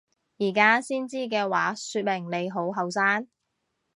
而家先知嘅話說明你好後生！